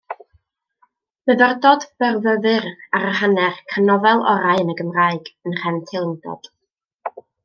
Myfyrdod byrfyfyr ar yr hanner can nofel orau yn y Gymraeg, yn nhrefn teilyngdod.